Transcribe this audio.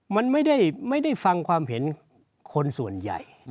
มันไม่ได้ฟังความเห็นคนส่วนใหญ่